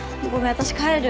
私帰る。